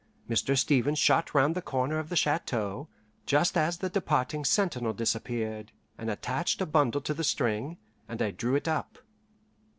Mr. Stevens shot round the corner of the chateau, just as the departing sentinel disappeared, and attached a bundle to the string, and I drew it up.